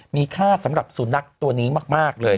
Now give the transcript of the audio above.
มีค่าสำหรับสุนัขตัวนี้มากเลย